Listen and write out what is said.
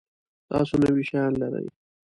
تاسو نوي شیان لرئ؟